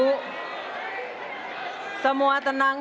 semua tenang semua tenang